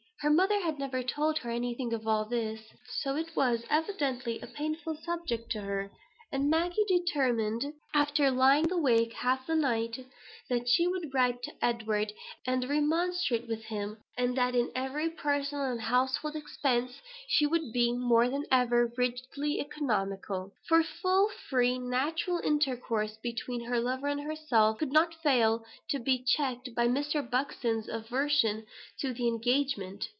Her mother had never told her anything of all this, so it was evidently a painful subject to her; and Maggie determined (after lying awake half the night) that she would write to Edward, and remonstrate with him; and that in every personal and household expense, she would be, more than ever, rigidly economical. The full, free, natural intercourse between her lover and herself, could not fail to be checked by Mr. Buxton's aversion to the engagement.